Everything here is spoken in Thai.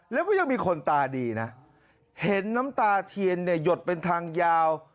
แล้วก็ยังมีคนตาดีนะเห็นน้ำตาเทียนเนี่ยหยดเป็นทางยาว